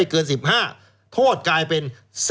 ไม่เกินสิบห้าทดกลายเป็น๑๐๒๐